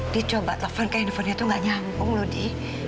di coba telepon ke handphone nya tuh gak nyambung loh di